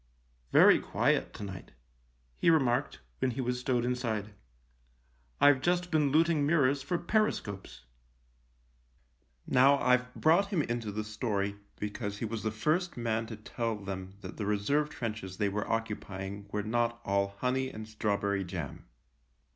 " Very quiet to night," he remarked, when he was stowed inside. " I've just been looting mirrors for periscopes." 22 THE LIEUTENANT Now, I've brought him into the story, be cause he was the first man to tell them that the reserve trenches they were occupying were not all honey and strawberry jam.